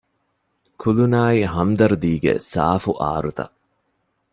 ކުލުނާއި ހަމްދަރްދީގެ ސާފު އާރުތައް